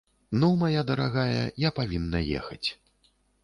Ну, мая дарагая, я павінна ехаць.